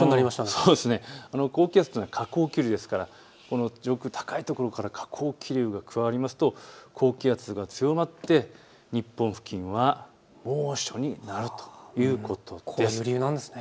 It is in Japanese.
高気圧というのは下降気流ですから上空高いところから下降気流が加わりますと高気圧が強まって日本付近は猛暑になるということです。